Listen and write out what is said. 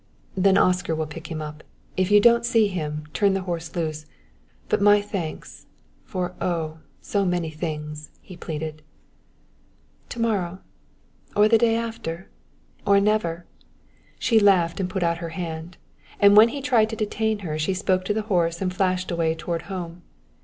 "Then Oscar will pick him up. If you don't see him, turn the horse loose. But my thanks for oh, so many things!" he pleaded. "To morrow or the day after or never!" She laughed and put out her hand; and when he tried to detain her she spoke to the horse and flashed away toward home.